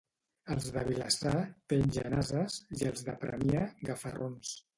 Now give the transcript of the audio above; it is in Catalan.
Els de Vilassar, pengen ases, i els de Premià, gafarrons.